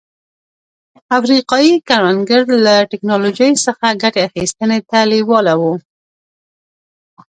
افریقايي کروندګر له ټکنالوژۍ څخه ګټې اخیستنې ته لېواله وو.